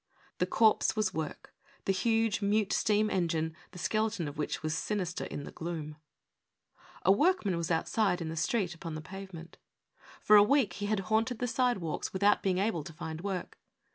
The corpse was work, the huge, mute steam engine, the skeleton of which was sinister in the gloom. A workman was outside, in the street, upon the pave ment. For a week he had haunted the sidewalks without OUT OF WORK. 327 being able to find work.